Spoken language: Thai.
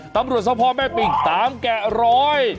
ตำรวจท้องพ่อแม่ปิงตามแกะร้อย